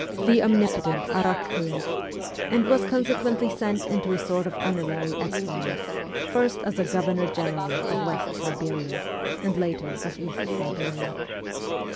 the omnipotent Arakch6eff, and was consequently sent into a sort of honorary exile, first as a governor general of West Siberia, and later of East Siberia.